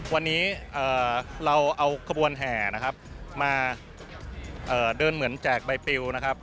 วันนี้เราเอาขบวนแห่นะครับมาเดินเหมือนแจกใบปิวนะครับ